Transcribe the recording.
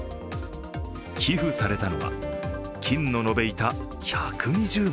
寄付されたのは、金の延べ板１２０枚。